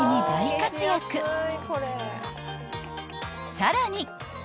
［さらに！］